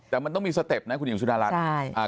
แต่มันต้องมีสเต็ปนะคุณหญิงสุดารัฐ